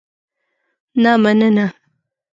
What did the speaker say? نه مننه.